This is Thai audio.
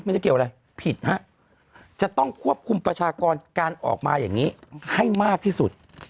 จะเกี่ยวอะไรผิดฮะจะต้องควบคุมประชากรการออกมาอย่างนี้ให้มากที่สุด